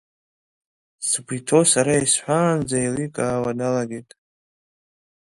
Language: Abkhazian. Сгәы иҭоу сара исҳәаанӡа еиликаауа далагеит.